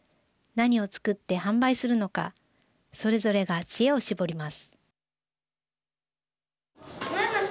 何を作って販売するのかそれぞれが知恵を絞ります。